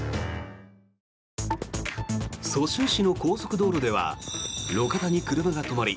蘇州市の高速道路では路肩に車が止まり